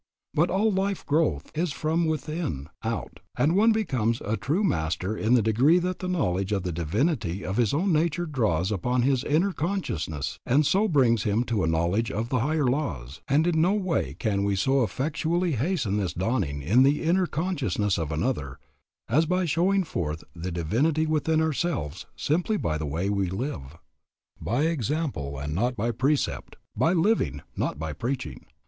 But all life growth is from within out, and one becomes a true master in the degree that the knowledge of the divinity of his own nature dawns upon his inner consciousness and so brings him to a knowledge of the higher laws; and in no way can we so effectually hasten this dawning in the inner consciousness of another, as by showing forth the divinity within ourselves simply by the way we live. By example and not by precept. By living, not by preaching.